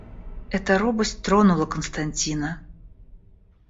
Эта робость тронула Константина.